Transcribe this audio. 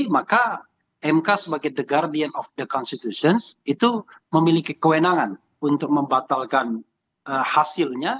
maka mk sebagai the guardian of the constitutions itu memiliki kewenangan untuk membatalkan hasilnya